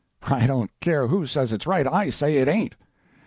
I don't care who says it's right, I say it ain't!'